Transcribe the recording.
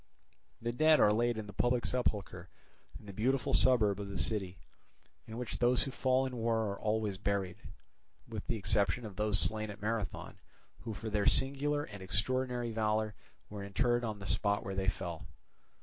The dead are laid in the public sepulchre in the Beautiful suburb of the city, in which those who fall in war are always buried; with the exception of those slain at Marathon, who for their singular and extraordinary valour were interred on the spot where they fell.